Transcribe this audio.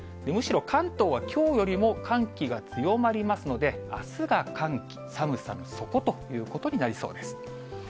むしろ、関東はきょうよりも寒気が強まりますので、あすが寒気、寒さの底ということになりそうです。